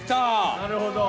なるほど。